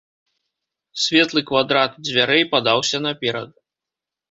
Светлы квадрат дзвярэй падаўся наперад.